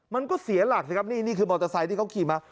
มันก็เสียหลักสิครับนี่นี่คือมอเตอร์ไซค์ที่เขาขี่มา